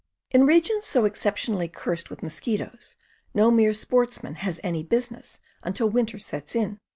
In regions so exceptionally cursed with mosquitoes no mere sportsman has any business until winter sets in.